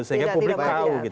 sehingga publik tahu gitu